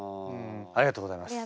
ありがとうございます。